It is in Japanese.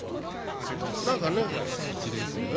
何かねえかよ？え？